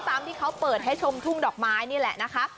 ตามที่เขาเปิดให้ชมทุ่งดอกไม้นี่แหละนะคะ